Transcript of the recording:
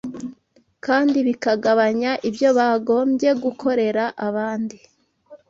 kandi bikagabanya ibyo bagombye gukorera abandi